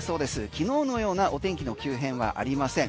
昨日のようなお天気の急変はありません。